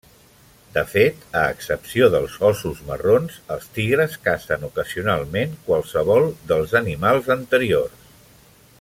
De fet, a excepció dels óssos marrons, els tigres cacen ocasionalment qualsevol dels animals anteriors.